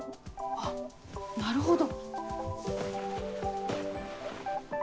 あっなるほど。